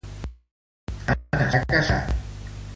L'Amano està casat.